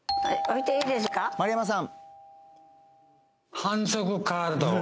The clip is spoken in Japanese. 丸山さん